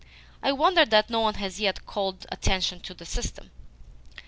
I wonder that no one has yet called attention to the system."